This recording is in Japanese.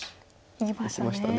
いきましたね。